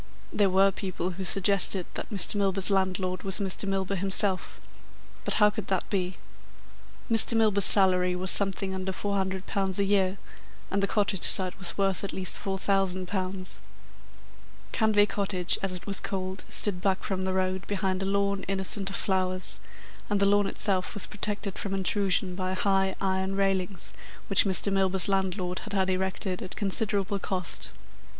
There were people who suggested that Mr. Milburgh's landlord was Mr. Milburgh himself. But how could that be? Mr. Milburgh's salary was something under £400 a year, and the cottage site was worth at least £4,000. Canvey Cottage, as it was called, stood back from the road, behind a lawn, innocent of flowers, and the lawn itself was protected from intrusion by high iron railings which Mr. Milburgh's landlord had had erected at considerable cost.